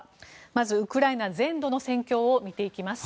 まず、ウクライナ全土の戦況を見ていきます。